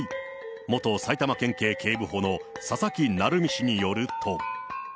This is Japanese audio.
元埼玉県警警部補の佐々木成三氏によると。